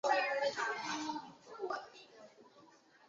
以下是广义的社会民主党列表。